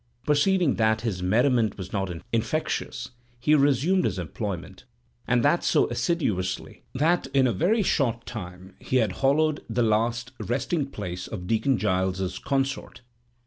Perceiving that his merriment was not infectious, he resumed his employment, and that so assiduously, that in a very short time he had hollowed the last resting place of Deacon Giles's consort.